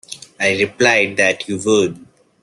I replied that you would.